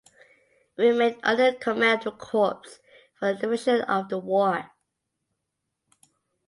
It remained under the command of the corps for the duration of the war.